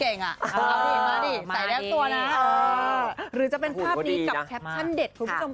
คือใบเฟิร์นเขาเป็นคนที่อยู่กับใครก็ได้ค่ะแล้วก็ตลกด้วย